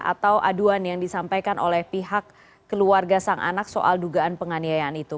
atau aduan yang disampaikan oleh pihak keluarga sang anak soal dugaan penganiayaan itu